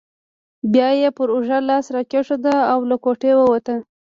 بیا یې پر اوږه لاس راکښېښود او له کوټې ووت.